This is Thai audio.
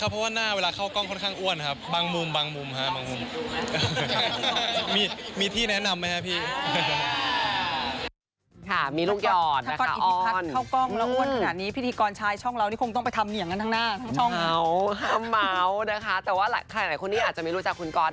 บ๊วยทำหมาวนะคะแต่ว่าแหล่งคนนี้อาจจะไม่รู้จักคุณกอร์ด